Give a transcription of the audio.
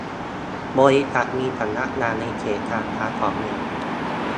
บริษัทมีสำนักงานในเขตการค้าของเมือง